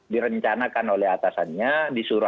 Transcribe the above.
direncanakan oleh atasannya disuruh